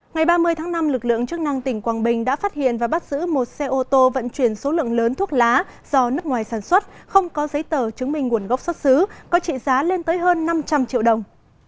ngày ba mươi tháng năm lực lượng chức năng tỉnh quảng bình đã phát hiện và bắt giữ một xe ô tô vận chuyển số lượng lớn thuốc lá do nước ngoài sản xuất không có giấy tờ chứng minh nguồn gốc xuất xứ có trị giá lên tới hơn năm trăm linh triệu đồng